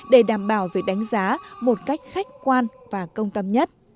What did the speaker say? để đảm bảo việc đánh giá một cách khách quan và công tâm nhất